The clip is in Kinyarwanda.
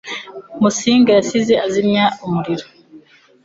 Musinga yahise azimya umuriro.